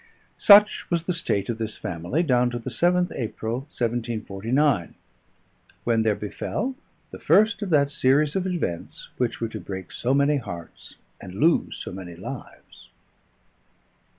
Such was the state of this family down to the 7th April 1749, when there befell the first of that series of events which were to break so many hearts and lose so many lives.